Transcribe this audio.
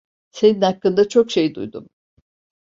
Senin hakkında çok şey duydum.